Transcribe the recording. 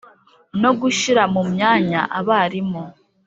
no gushyira mu myanya abarimu